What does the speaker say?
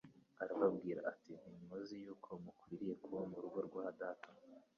Arababwira ati,'' Ntimuzi yuko binkwiriye kuba mu rugo rwa Data ?